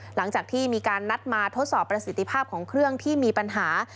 หลังจากที่มีการนัดมาทดสอบประสิทธิภาพของเครื่องที่มีปัญหา